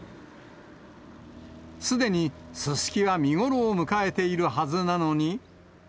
すでにススキが見頃を迎えているはずなのに。